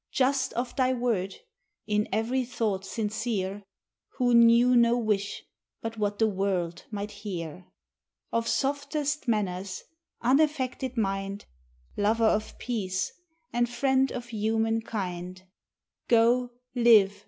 Just of thy word, in every thought sincere, Who knew no wish but what the world might hear: Of softest manners, unaffected mind, Lover of peace, and friend of human kind: Go live!